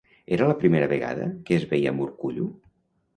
Era la primera vegada que es veia amb Urkullu?